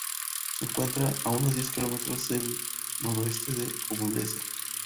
Se encuentra a unos diez kilómetros al noroeste de Coblenza.